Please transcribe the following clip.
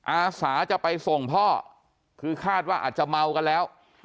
อาสาจะไปส่งพ่อคือคาดว่าอาจจะเมากันแล้ว